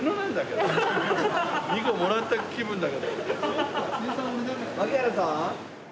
２個もらった気分だけど。